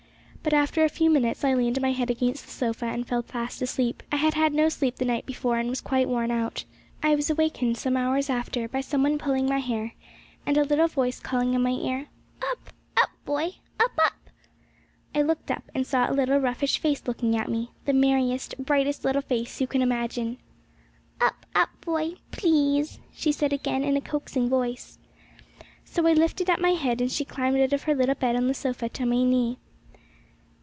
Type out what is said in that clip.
But after a few minutes I leaned my head against the sofa, and fell fast asleep. I had had no sleep the night before, and was quite worn out. I was awakened, some hours after, by some one pulling my hair, and a little voice calling in my ear, 'Up! up, boy! up! up!' I looked up, and saw a little roguish face looking at me the merriest, brightest little face you can imagine. 'Up, up, boy, please!' she said again, in a coaxing voice. So I lifted up my head, and she climbed out of her little bed on the sofa on to my knee.